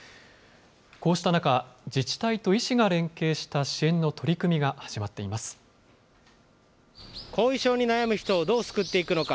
こうした中、自治体と医師が連携した支援の取り組みが始まってい後遺症に悩む人をどう救っていくのか。